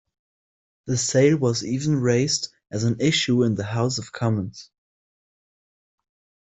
The sale was even raised as an issue in the House of Commons.